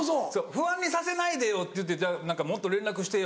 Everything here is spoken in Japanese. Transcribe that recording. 「不安にさせないでよ」って言って「もっと連絡してよ」